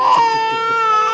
cuk cuk cuk